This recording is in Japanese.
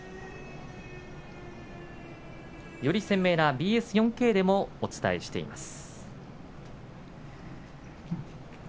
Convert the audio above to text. より鮮明なＢＳ４Ｋでもお伝えしています。